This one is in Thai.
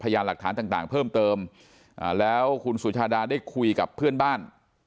พยายามหลักฐานต่างเพิ่มเติมแล้วคุณสุชาดาได้คุยกับเพื่อนบ้าน